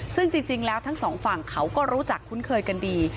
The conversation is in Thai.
ซึ่งจริงแล้วทั้งสองฝั่งเขาก็รู้จักคุ้นเคยกันดี